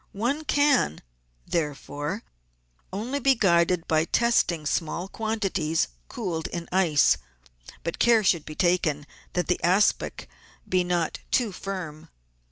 One can, therefore, only be guided by testing small quantities cooled in ice, but care should be taken that the aspic be not too firm.